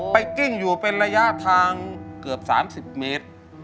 กิ้งอยู่เป็นระยะทางเกือบ๓๐เมตร